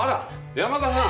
山田さん。